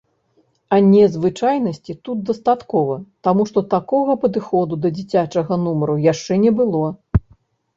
А незвычайнасці тут дастаткова, таму што такога падыходу да дзіцячага нумара яшчэ не было.